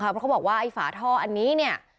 เพราะเขาบอกว่าไอ้ฝาท่ออันนี้เนี่ย